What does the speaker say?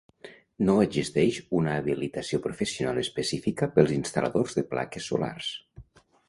No existeix una habilitació professional específica pels instal·ladors de plaques solars.